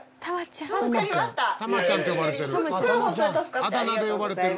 「玉ちゃん」って呼ばれてる。